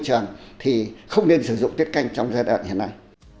trường thì không nên sử dụng tiết canh trong giai đoạn hiện nay